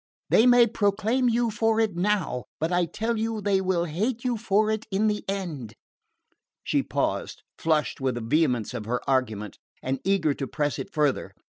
They may acclaim you for it now but I tell you they will hate you for it in the end!" She paused, flushed with the vehemence of her argument, and eager to press it farther.